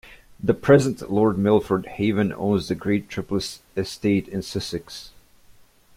The present Lord Milford Haven owns the Great Trippetts Estate in Sussex.